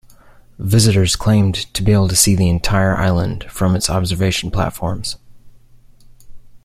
Visitors claimed to be able to see the entire island from its observation platforms.